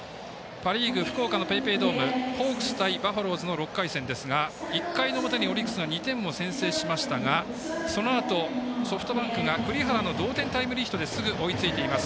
パ・リーグ福岡ＰａｙＰａｙドームホークス対バファローズの６回戦ですが１回表にオリックスが２点を先制しましたがそのあと、ソフトバンクが栗原の同点タイムリーヒットですぐ追いついています。